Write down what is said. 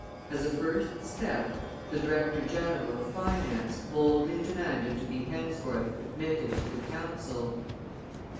As a first step, the director general of finance boldly demanded to be henceforth admitted to the council.